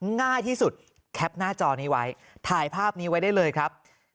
ง่ายที่สุดแคปหน้าจอนี้ไว้ถ่ายภาพนี้ไว้ได้เลยครับ